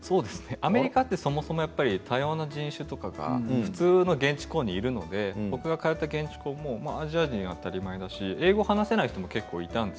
アメリカってそもそも多様な人種とかが普通の現地校にいるので僕が通った現地校アジア人もそうだし英語しゃべれない人もいたんです。